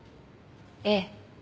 ええ。